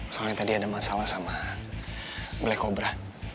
soalnya tadi ada masalah sama black cobra